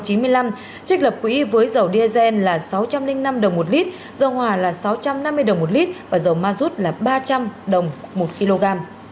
trích lập quỹ với dầu diesel là sáu trăm linh năm đồng một lít dầu hòa là sáu trăm năm mươi đồng một lít và dầu ma rút là ba trăm linh đồng một kg